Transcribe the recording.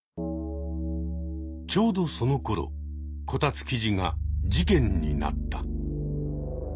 ちょうどそのころこたつ記事が事件になった。